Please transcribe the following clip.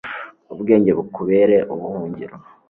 ubwenge bukubere ubuhungiro